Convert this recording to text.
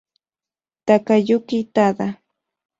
Takayuki Tada